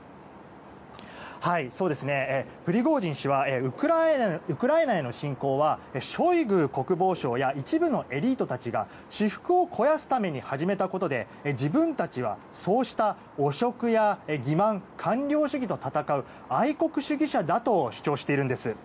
プリゴジン氏はウクライナへの侵攻はショイグ国防相や一部のエリートたちが私腹を肥やすために始めたことで自分たちはそうした汚職や欺瞞官僚主義と戦う愛国主義者だと主張しているんです。